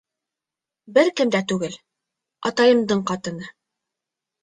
-Бер кем дә түгел, атайымдың ҡатыны.